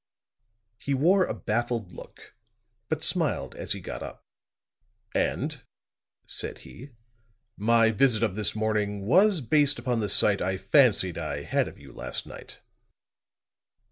He wore a baffled look, but smiled as he got up. "And," said he, "my visit of this morning was based upon the sight I fancied I had of you last night."